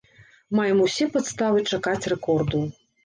Маем усе падставы чакаць рэкорду.